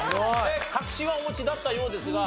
確信はお持ちだったようですが。